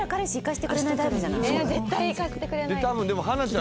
絶対行かせてくれないです。